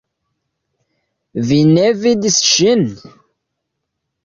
Vi ne vidis ŝin?